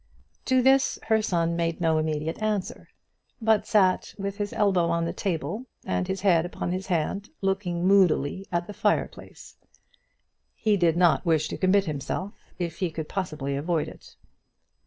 To this her son made no immediate answer, but sat with his elbow on the table, and his head upon his hand looking moodily at the fire place. He did not wish to commit himself if he could possibly avoid it.